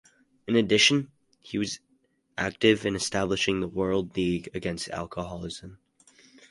In addition, he was active in establishing the World League Against Alcoholism.